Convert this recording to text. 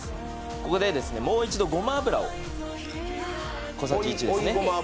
ここでもう一度ごま油を小さじ１ですね。